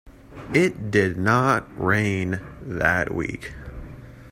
It did not rain that week.